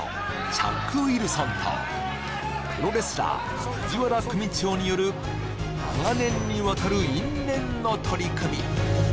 チャック・ウィルソンとプロレスラー藤原組長による長年にわたる因縁の取り組み・